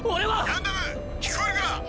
ガンダム聞こえるか？